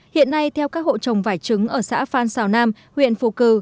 hiện nay theo các hộ trồng vải trứng ở xã phan xào nam huyện phù cử